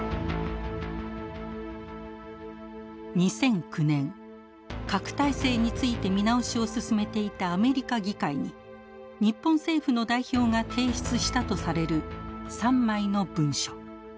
２００９年核態勢について見直しを進めていたアメリカ議会に日本政府の代表が提出したとされる３枚の文書。